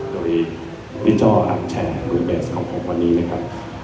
โดยมิจอร์อัดแชร์รีเบสของผมวันนี้นะครับ